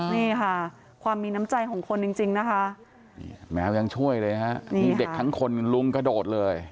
นี่ค่ะความมีน้ำใจของคนจริงนะคะนี่แมวยังช่วยเลยฮะนี่เด็กทั้งคนลุงกระโดดเลย